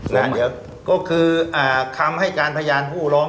นั่นเดี๋ยวก็คือคำให้การทะเยาร์ผู้หลอง